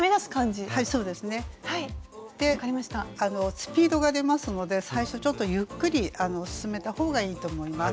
スピードが出ますので最初ちょっとゆっくり進めた方がいいと思います。